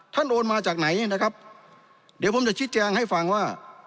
โอนมาจากไหนนะครับเดี๋ยวผมจะชี้แจงให้ฟังว่า